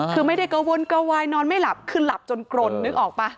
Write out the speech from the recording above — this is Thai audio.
คือไม่ได้กระวนกระวายนอนไม่หลับคือหลับจนกรนนึกออกป่ะ